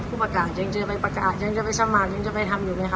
ผู้ประกาศยังจะไปประกาศยังจะไปสมัครยังจะไปทำอยู่ไหมคะ